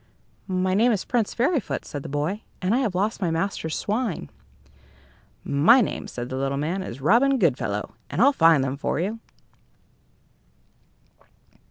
"My name is Prince Fairyfoot," said the boy, "and I have lost my master's swine." "My name," said the little man, "is Robin Goodfellow, and I'll find them for you."